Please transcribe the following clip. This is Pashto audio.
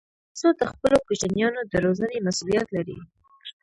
بیزو د خپلو کوچنیانو د روزنې مسوولیت لري.